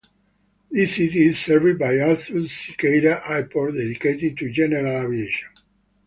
The city is served by Arthur Siqueira Airport dedicated to general aviation.